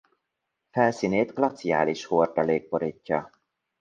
Felszínét glaciális hordalék borítja.